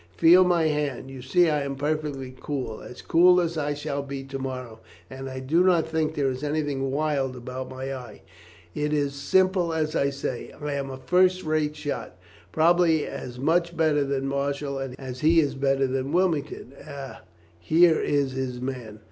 Feel my hand. You see I am perfectly cool as cool as I shall be to morrow and I do not think there is anything wild about my eye. It is simply as I say: I am a first rate shot probably as much better than Marshall as he is better than Wilmington. Ah, here is his man!